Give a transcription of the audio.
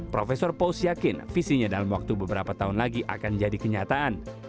profesor paus yakin visinya dalam waktu beberapa tahun lagi akan jadi kenyataan